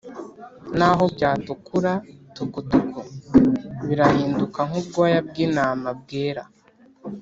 , naho byatukura tukutuku birahinduka nk’ubwoya bw’intama bwera